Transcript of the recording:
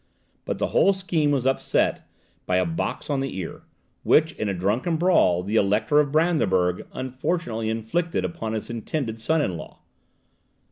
But the whole scheme was upset by a box on the ear, which, in a drunken brawl, the Elector of Brandenburg unfortunately inflicted upon his intended son in law.